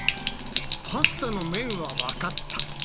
パスタの麺はわかった。